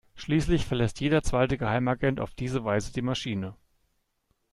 Schließlich verlässt jeder zweite Geheimagent auf diese Weise die Maschine.